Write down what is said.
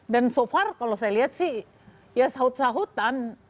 dan so far kalau saya lihat sih ya sahut sahutan